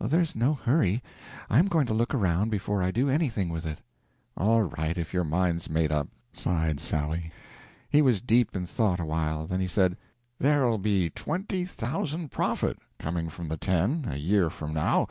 "There is no hurry; I am going to look around before I do anything with it." "All right, if your mind's made up," sighed Sally. He was deep in thought awhile, then he said: "There'll be twenty thousand profit coming from the ten a year from now.